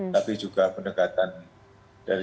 tapi juga pendekatan dari